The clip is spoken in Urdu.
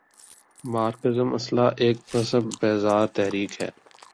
مارکسزم اصلا ایک مذہب بیزار تحریک ہے۔